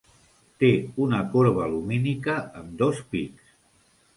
Té una corba lumínica amb dos pics.